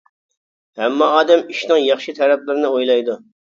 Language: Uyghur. ھەممە ئادەم ئىشنىڭ ياخشى تەرەپلىرىنى ئويلايدۇ.